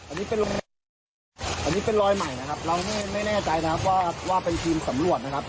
อันนี้เป็นลมอันนี้เป็นรอยใหม่นะครับเราไม่แน่ใจนะครับว่าเป็นทีมสำรวจนะครับ